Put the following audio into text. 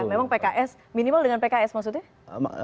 memang pks minimal dengan pks maksudnya